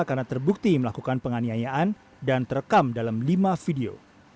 karena terbukti melakukan penganiayaan dan terekam dalam lima video